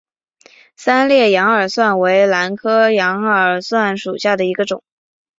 三裂羊耳蒜为兰科羊耳蒜属下的一个种。